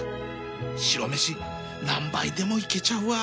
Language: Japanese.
白飯何杯でもいけちゃうわ